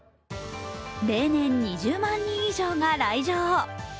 例年２０万人以上が来場。